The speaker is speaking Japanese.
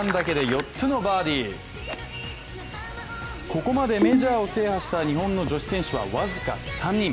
ここまでメジャーを制覇した日本の女子選手は僅か３人。